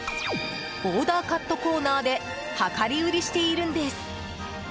オーダーカットコーナーで量り売りしているんです。